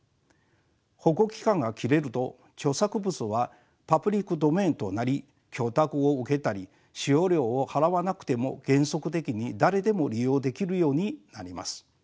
保護期間が切れると著作物はパブリック・ドメインとなり許諾を受けたり使用料を払わなくても原則的に誰でも利用できるようになります。